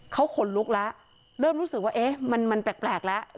เขาขนลุกแล้วเริ่มรู้สึกว่าเอ๊ะมันแปลกแล้ว